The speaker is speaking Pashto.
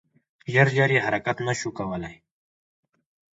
ژر ژر یې حرکت نه شو کولای .